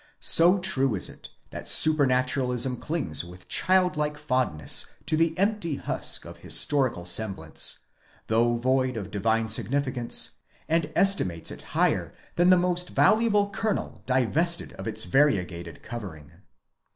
So true is it that supranaturalism clings with childlike fond ness to the empty husk of historical semblance, though void of divine signifi cance, and estimates it higher than the most valuable kernel divested of its variegated covering.